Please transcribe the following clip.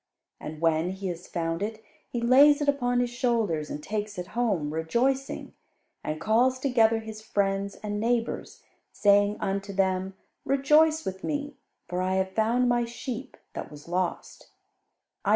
And when he has found it, he lays it upon his shoulders and takes it home, rejoicing; and calls together his friends and neighbours, saying unto them, 'Rejoice with me, for I have found my sheep that was lost.'